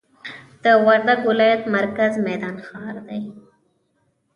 د وردګ ولایت مرکز میدان ښار دی